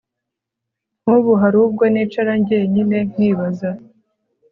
nk'ubu hari ubwo nicara jyenyine nkibaza